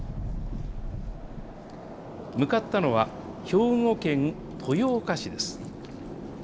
向かったのは、兵庫県豊岡市です。